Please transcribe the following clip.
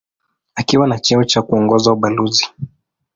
Akiwa na cheo cha kuongoza ubalozi.